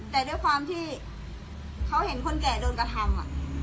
แต่ด้วยความที่เขาเห็นคนแก่โดนกระทำ